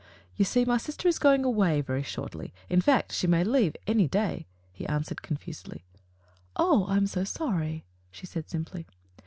"You see, my sister is going away very shortly; in fact, she may leave any day,'* he answered confusedly. "Oh, I am so sorry," she said simply.